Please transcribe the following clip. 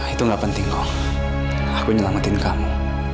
itu tidak penting kong aku menyelamatkan kamu